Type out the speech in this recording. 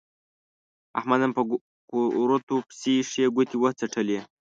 احمد نن په کورتو پسې ښې ګوتې و څټلې.